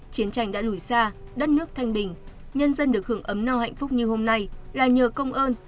chiến tranh đã lùi xa đất nước thanh bình nhân dân được hưởng ấm no hạnh phúc như hôm nay là nhờ công ơn